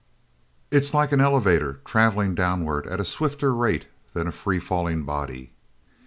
It's like an elevator traveling downward at a swifter rate than a free falling body."